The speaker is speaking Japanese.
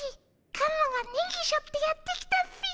カモがネギしょってやって来たっピィ。